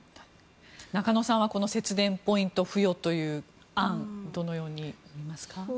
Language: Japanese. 中野さんはこの節電ポイント付与という案どのように見ますか？